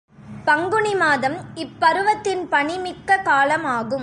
பங்குனி மாதம் இப் பருவத்தின் பணி மிக்க காலம் ஆகும்.